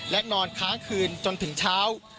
และนอนค้างคืนจนถึงเช้า